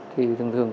thì thường thường